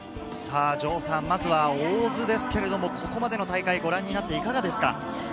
まずは大津ですけれど、ここまでの大会、ご覧になっていかがですか。